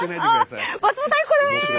松本明子です！